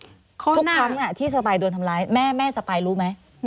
ทุกครั้งที่สปายโดนทำร้ายแม่แม่สปายรู้ไหม